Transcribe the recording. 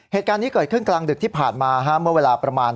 เหตุการณ์นี้เกิดขึ้นกลางดึกที่ผ่านมาเมื่อเวลาประมาณ